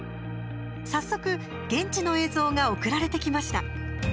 早速、現地の映像が送られてきました。